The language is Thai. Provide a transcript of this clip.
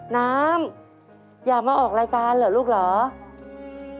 น้ำอยากมาออกรายการเหรอลูกเหรอ